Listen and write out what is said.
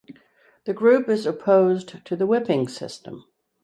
The group is opposed to the whipping system.